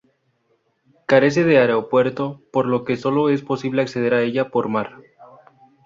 Carece de aeropuerto, por lo que sólo es posible acceder a ella por mar.